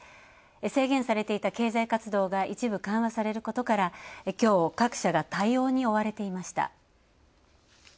制限されていた経済活動が一部緩和されることから、きょう各社が対応に追われていました。